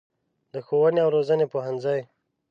د ښوونې او روزنې پوهنځی